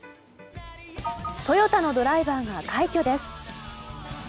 トヨタのドライバーが快挙です。